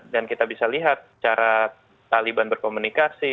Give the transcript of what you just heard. dan kita bisa lihat cara taliban berkomunikasi